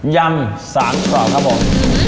ยำ๓กรอบครับผม